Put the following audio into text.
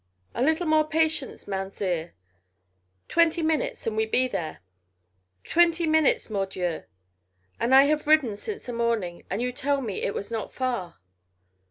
"A little more patience, Mounzeer. Twenty minutes and we be there." "Twenty minutes, mordieu. And I have ridden since the morning. And you tell me it was not far."